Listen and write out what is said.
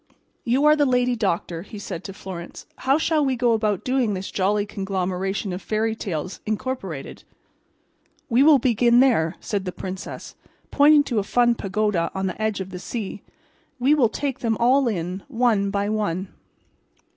"You are the lady doctor," he said to Florence. "How shall we go about doing this jolly conglomeration of fairy tales, incorporated?" "We will begin there," said the Princess, pointing to a fun pagoda on the edge of the sea, "and we will take them all in, one by one."